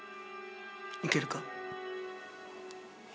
いけるか？